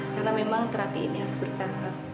karena memang terapi ini harus bertahan